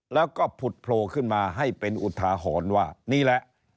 แล้วก็ผุดโผล่ขึ้นมาให้เป็นอุทาหรณ์ว่านี่แหละ